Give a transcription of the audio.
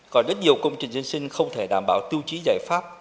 còn rất nhiều công trình dân sinh không thể đảm bảo tiêu chí giải pháp